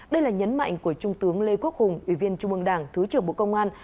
đây là nhấn mạnh của trung tướng lê quốc hùng ủy viên trung mương đảng thứ trưởng bộ công an